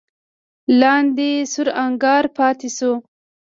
لاندې سور انګار پاتې شو.